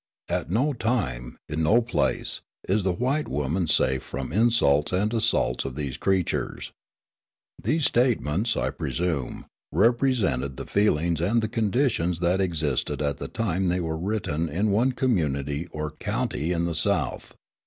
At no time, in no place, is the white woman safe from insults and assaults of these creatures." These statements, I presume, represented the feelings and the conditions that existed at the time they were written in one community or county in the South.